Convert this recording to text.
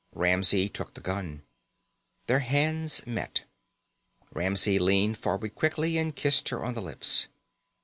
Ramsey took the gun. Their hands met. Ramsey leaned forward quickly and kissed her on the lips.